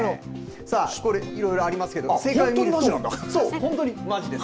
これいろいろありますけど正解を見ると本当にまじです。